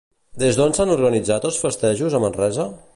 Des d'on s'han organitzat els festejos a Manresa?